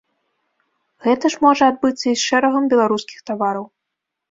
Гэта ж можа адбыцца і з шэрагам беларускіх тавараў.